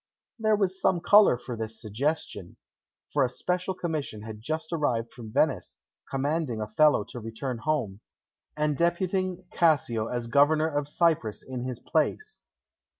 There was some colour for this suggestion, for a special commission had just arrived from Venice, commanding Othello to return home, and deputing Cassio as Governor of Cyprus in his place.